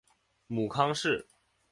母康氏。